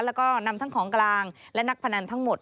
แล้วก็นำทั้งของกลางและนักพนันทั้งหมด